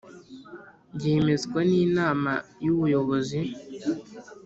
yemezwa n Inama y Ubuyobozi